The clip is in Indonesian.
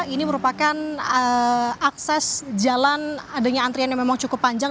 ini merupakan akses jalan adanya antrian yang memang cukup panjang